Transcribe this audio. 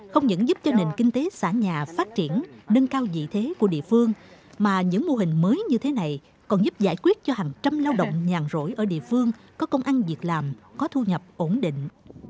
không những giúp cho nền kinh tế xã nhà phát triển nâng cao vị thế của địa phương mà những mô hình mới như thế này còn giúp giải quyết cho hàng trăm lao động nhàn rỗi ở địa phương có công ăn việc làm có thu nhập ổn định